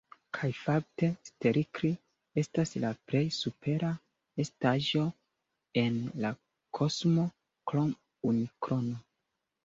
Kaj fakte, Stelkri estas la plej supera estaĵo en la kosmo krom Unikrono.